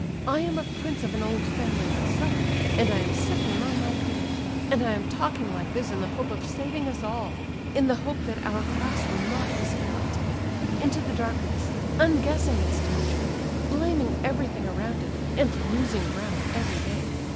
I am a prince of an old family myself, and I am sitting among my peers; and I am talking like this in the hope of saving us all; in the hope that our class will not disappear altogether—into the darkness—unguessing its danger—blaming everything around it, and losing ground every day.